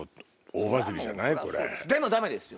でもダメですよ。